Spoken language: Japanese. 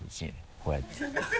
こうやって。